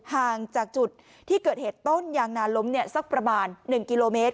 ห่างจากจุดที่เกิดเหตุต้นยางนาล้มสักประมาณ๑กิโลเมตร